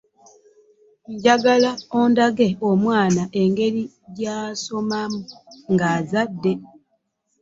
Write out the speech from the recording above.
Njagala ondage omwana engeri gy'asomamu ng'azadde.